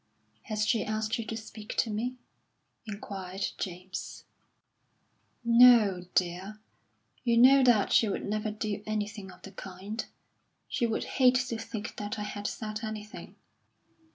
"Has she asked you to speak to me?" inquired James. "No, dear. You know that she would never do anything of the kind. She would hate to think that I had said anything."